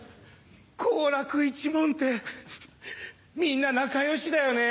好楽一門てみんな仲良しだよね。